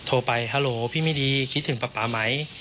โทรไปฮัลโหลพี่ไม่ดีคิดถึงป๊าป๊าไหม